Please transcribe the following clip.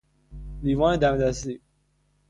لیوان دم دستی